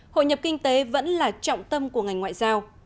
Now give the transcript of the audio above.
hội nhập kinh tế vẫn là trọng tâm của ngành ngoại giao